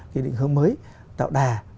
cái định hướng mới tạo đà